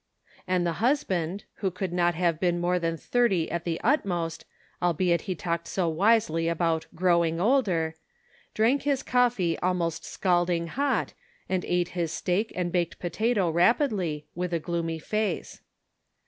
Cake and Benevolence. 45 And the husband, who could not have been more than thirty at the utmost, albeit he talked so wisely about "growing older," drank his coffee almost scalding hot, and ate his steak and baked potato rapidly, with a gloomy face.